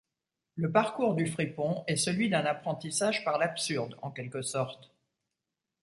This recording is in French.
Le parcours du fripon est celui d’un apprentissage par l’absurde, en quelque sorte.